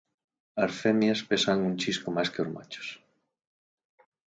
As femias pesan un chisco máis que os machos.